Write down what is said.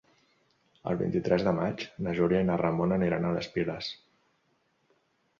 El vint-i-tres de maig na Júlia i na Ramona aniran a les Piles.